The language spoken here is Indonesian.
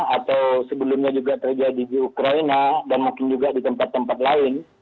atau sebelumnya juga terjadi di ukraina dan makin juga di tempat tempat lain